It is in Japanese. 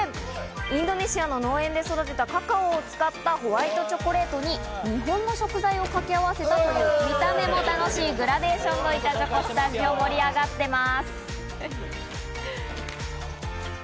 インドネシアの農園で育てたカカオを使ったホワイトチョコレートに、日本の食材をかけあわせた、見た目も楽しいグラデーションの板チョコ、スタジオ、盛り上がってます。